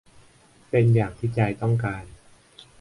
เป็นอย่างที่ใจต้องการ